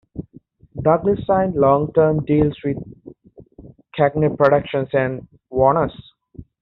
Douglas signed long-term deals with Cagney Productions and Warners.